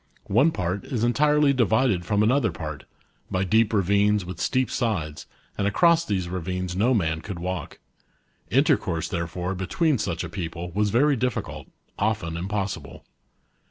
One part is entirely divided from another part, by deep ravines with steep sides, and across these ravines no man could walk. Intercourse, therefore, between such a people was very difficult, often impossible.